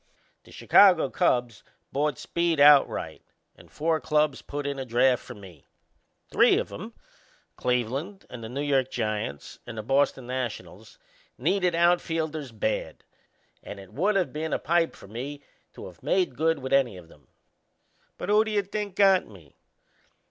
The Chicago Cubs bought Speed outright and four clubs put in a draft for me. Three of 'em Cleveland and the New York Giants and the Boston Nationals needed outfielders bad, and it would of been a pipe for me to of made good with any of 'em. But who do you think got me?